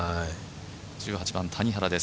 １８番、谷原です。